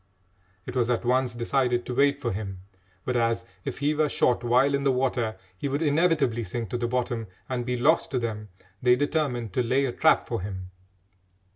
It was at once decided to wait for him, but as, if he were shot while in the water, he would inevitably sink to the bottom and be lost to them, they determined to lay a trap for him.